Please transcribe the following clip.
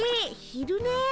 ひるね？